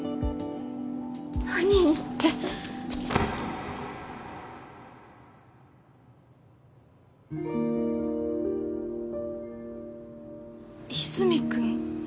何言って和泉君？